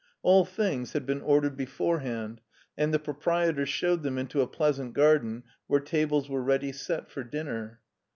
All things had been ordered beforehand, and the proprietor showed them into a pleasant garden where tables were ready set for dinner.